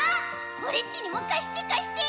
オレっちにもかしてかして。